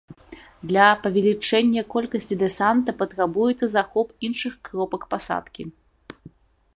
Для павелічэння колькасці дэсанта патрабуецца захоп іншых кропак пасадкі.